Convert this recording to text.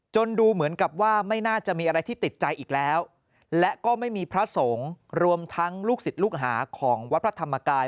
ดูเหมือนกับว่าไม่น่าจะมีอะไรที่ติดใจอีกแล้วและก็ไม่มีพระสงฆ์รวมทั้งลูกศิษย์ลูกหาของวัดพระธรรมกาย